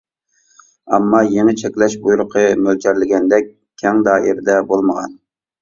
ئەمما، يېڭى چەكلەش بۇيرۇقى مۆلچەرلىگەندەك كەڭ دائىرىدە بولمىغان.